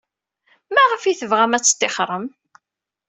Maɣef ay tebɣam ad tettixrem?